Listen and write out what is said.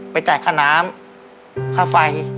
จ่ายค่าน้ำค่าไฟ